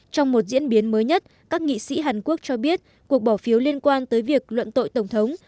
trong một diễn biến mới nhất các nghị sĩ hàn quốc cho biết cuộc bỏ phiếu liên quan tới việc luận tội tổng thống